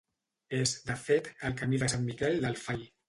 És, de fet, el Camí de Sant Miquel del Fai.